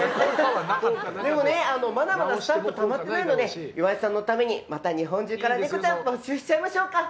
でもね、まだまだスタンプがたまってないので岩井さんのためにまた日本中からネコちゃんを募集しちゃいましょうか。